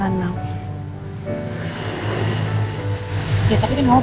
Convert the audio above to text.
ya tapi kan lo bisa mantap dari jakarta juga nih